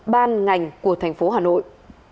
ban ngành của thành phố hà nội